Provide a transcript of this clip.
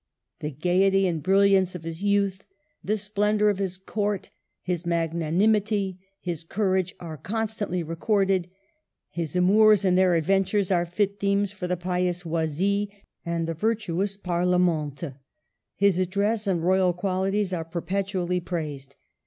The gayety and brilliance of his youth, the splendor of his court, his magnanim ity, his courage, are constantly recorded ; his amours and their adventures are lit themes for the pious Oisille and the virtuous Parlamente; his address and royal qualities are perpetually praised.